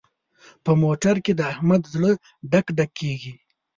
په موټر کې د احمد زړه ډک ډک کېږي.